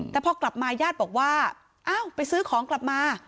แต่พอกลับมาญาติบอกว่าอ้าวไปซื้อของกลับมา